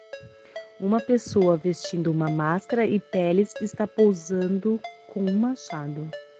Uma pessoa vestindo uma máscara e peles está posando com um machado.